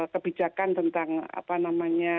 kebijakan tentang apa namanya